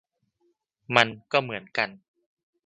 มันก็เหมือนกัน